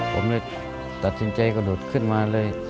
ผมเลยตัดสินใจกระโดดขึ้นมาเลย